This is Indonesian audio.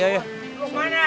jalur tuh re read di here ya